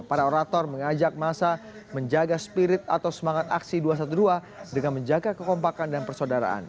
para orator mengajak masa menjaga spirit atau semangat aksi dua ratus dua belas dengan menjaga kekompakan dan persaudaraan